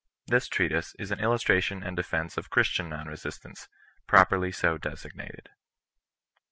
This treatise is an illustration and defence of Christian non resistance, properly so desig nated.